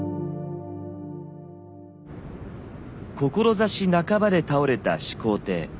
志半ばで倒れた始皇帝。